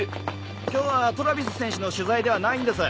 今日はトラヴィス選手の取材ではないんです。